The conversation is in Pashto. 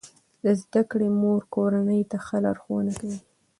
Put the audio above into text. د زده کړې مور کورنۍ ته ښه لارښوونه کوي.